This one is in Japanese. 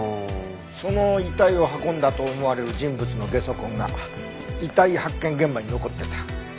その遺体を運んだと思われる人物のゲソ痕が遺体発見現場に残ってた。